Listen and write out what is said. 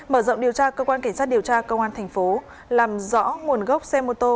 mở rộng điều tra cơ quan cảnh sát điều tra công an thành phố làm rõ nguồn gốc xe mô tô